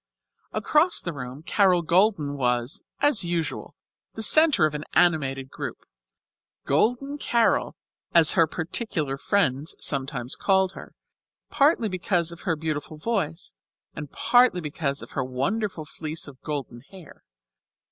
Across the room Carol Golden was, as usual, the centre of an animated group; Golden Carol as her particular friends sometimes called her, partly because of her beautiful voice, and partly because of her wonderful fleece of golden hair.